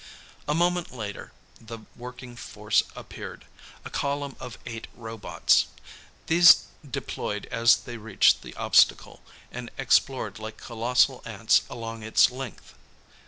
A moment later, the working force appeared a column of eight robots. These deployed as they reached the obstacle, and explored like colossal ants along its length.